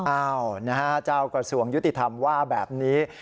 อ้าวนะฮะเจ้ากระทรวงยุติธรรมว่าแบบนี้